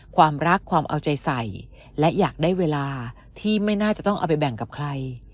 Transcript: ความรักความเอาใจใส่และอยากได้เวลาที่ไม่น่าจะต้องเอาไปแบ่งกับใคร